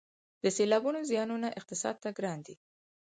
د سیلابونو زیانونه اقتصاد ته ګران دي